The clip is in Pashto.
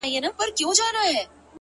گراني په دې ياغي سيتار راته خبري کوه ـ